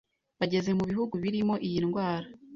bageze mu bihugu birimo iyi ndwara